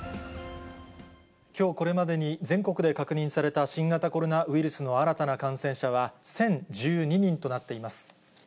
きょうこれまでに全国で確認された新型コロナウイルスの新たな感染者は１０１２人となっています。